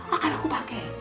akan aku pake